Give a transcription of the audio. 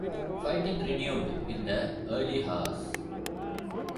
Fighting renewed in the early hours.